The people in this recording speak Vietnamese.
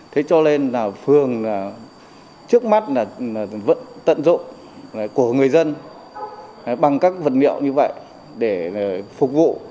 thế cho nên phương trước mắt vẫn tận dụng của người dân bằng các vật liệu như vậy để phục vụ